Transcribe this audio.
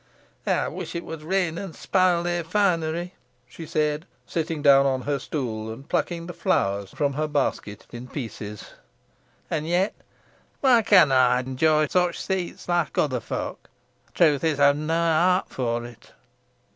"Ey wish it would rain an spile their finery," she said, sitting down on her stool, and plucking the flowers from her basket in pieces. "An yet, why canna ey enjoy such seets like other folk? Truth is, ey've nah heart for it."